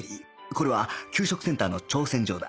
これは給食センターの挑戦状だ